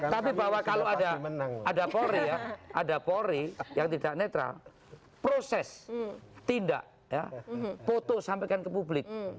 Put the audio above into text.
tapi bahwa kalau ada polri ya ada polri yang tidak netral proses tindak foto sampaikan ke publik